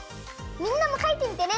みんなもかいてみてね。